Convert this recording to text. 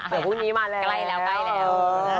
เดี๋ยวพรุ่งนี้มาแล้ว